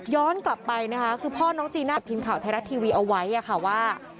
กลับไปนะคะคือพ่อน้องจีน่ากับทีมข่าวไทยรัฐทีวีเอาไว้ค่ะว่า